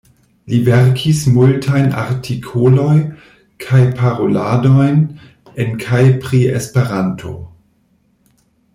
Li verkis multajn artikoloj kaj paroladojn en kaj pri Esperanto.